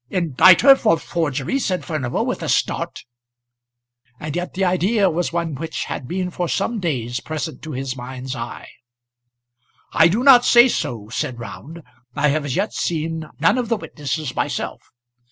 "Indict her for forgery!" said Furnival, with a start. And yet the idea was one which had been for some days present to his mind's eye. "I do not say so," said Round. "I have as yet seen none of the witnesses myself.